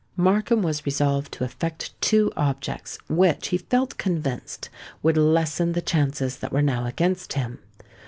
Markham was resolved to effect two objects, which, he felt convinced, would lessen the chances that were now against him.